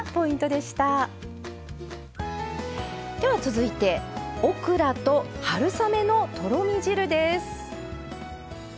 では続いてオクラと春雨のとろみ汁です。